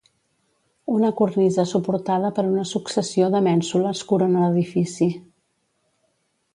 Una cornisa suportada per una successió de mènsules corona l'edifici.